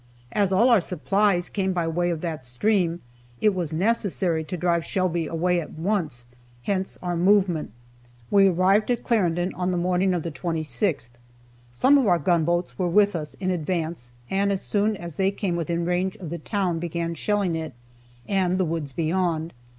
As all our supplies came by way of that stream, it was necessary to drive Shelby away at once, hence our movement. We arrived at Clarendon on the morning of the 26th. Some of our gunboats were with us, in advance, and as soon as they came within range of the town began shelling it, and the woods beyond.